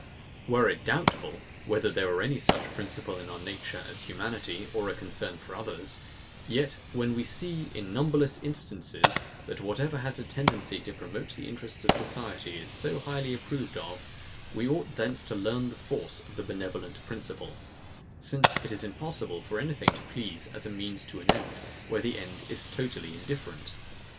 Were it doubtful, whether there were any such principle in our nature as humanity or a concern for others, yet when we see, in numberless instances, that whatever has a tendency to promote the interests of society, is so highly approved of, we ought thence to learn the force of the benevolent principle; since it is impossible for anything to please as means to an end, where the end is totally indifferent.